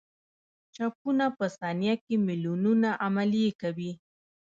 چپونه په ثانیه کې میلیونونه عملیې کوي.